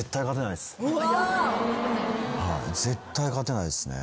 絶対勝てないですね。